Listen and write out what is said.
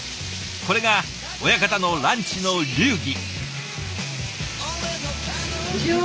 これが親方のランチの流儀。